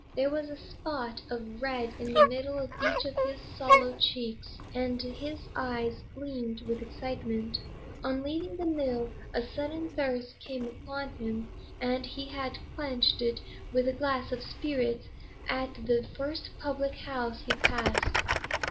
There was a spot of red in the midst of each of his sallow cheeks, and his eyes gleamed with excitement. On leaving the mill a sudden thirst had come upon him, and he had quenched it with a glass of spirits at the first public house he passed.